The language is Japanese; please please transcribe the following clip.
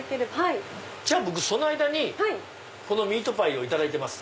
僕その間にこのミートパイをいただいてます。